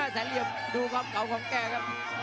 แสนเหลี่ยมดูเก่าของแกครับ